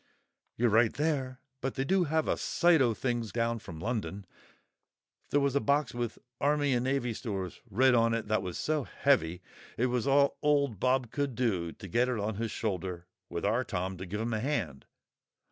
"You're right there; but they do have a sight o' things down from London. There was a box with 'Army and Navy Stores' writ on it that was so heavy, it was all old Bob could do to get it on his shoulder, with our Tom to give him a hand.